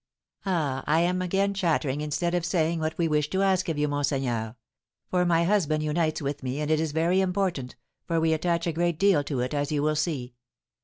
Ah, I am again chattering instead of saying what we wish to ask of you, monseigneur; for my husband unites with me, and it is very important, for we attach a great deal to it, as you will see.